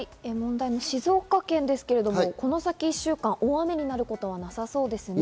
静岡県ですけれども、この先１週間、大雨になることはなさそうですね。